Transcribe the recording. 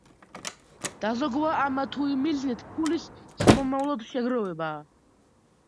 დაზოგვა ამა თუ იმ მიზნით ფულის სამომავლოდ შეგროვებაა